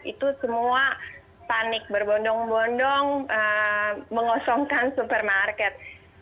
itu semua panik berbondong bondong mengosongkan supermarket